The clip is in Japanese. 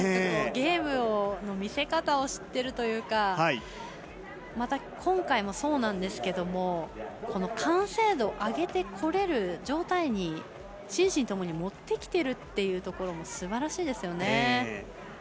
ゲームの見せ方を知っているというかまた、今回もそうなんですけど完成度を上げてこれる状態に心身ともに持ってきていることもすばらしいですね。